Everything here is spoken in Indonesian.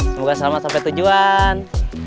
semoga selamat sampai tujuan